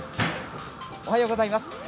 おはようございます。